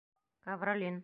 Ковролин